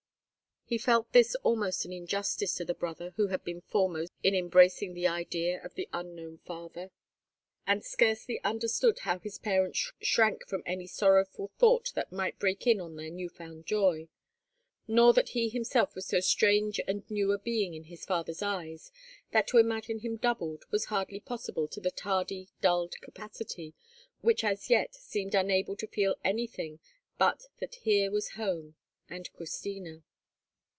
He felt this almost an injustice to the brother who had been foremost in embracing the idea of the unknown father, and scarcely understood how his parents shrank from any sorrowful thought that might break in on their new found joy, nor that he himself was so strange and new a being in his father's eyes, that to imagine him doubled was hardly possible to the tardy, dulled capacity, which as yet seemed unable to feel anything but that here was home, and Christina.